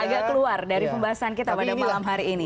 agak keluar dari pembahasan kita pada malam hari ini